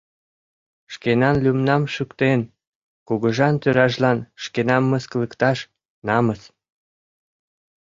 Шкенан лӱмнам шӱктен, кугыжан тӧражлан шкенам мыскылыкташ — намыс!